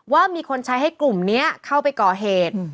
ว่ามีคนใช้ให้กลุ่มนี้เข้าไปก่อเหตุ